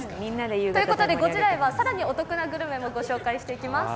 ということで、５時台は、更にお得なグルメもご紹介していきます。